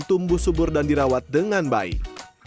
tumbuh subur dan dirawat dengan baik